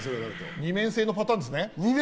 二面性のパターンですね。